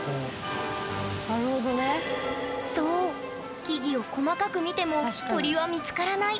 そう木々を細かく見ても鳥は見つからない。